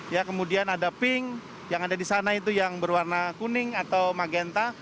ya kemudian ada pink yang ada di sana itu yang berwarna kuning atau magenta